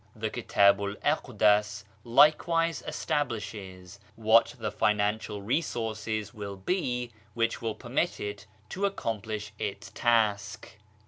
The Kitabu'l Aqdas likewise establishes what the financial resources will be which will permit it to accomplish its task.